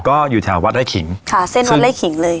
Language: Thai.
ก็อยู่แถววัดไร่ขิงค่ะเส้นวัดไล่ขิงเลย